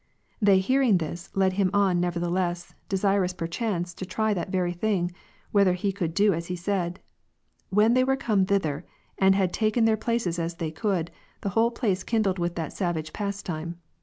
They hearing this, led him on neverthe less, desirous perchance to try that very thing, whether he could do as he said. When they were come thither, and had taken their places as they could, the whole place kindled with that savage pastime.